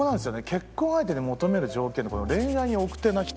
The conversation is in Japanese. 結婚相手に求める条件で恋愛に奥手な人。